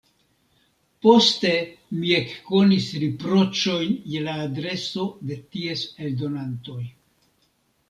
Poste mi ekkonis riproĉojn je la adreso de ties eldonantoj.